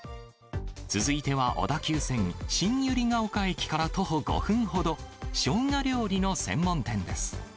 続いては、小田急線新百合ヶ丘駅から徒歩５分ほど、ショウガ料理の専門店です。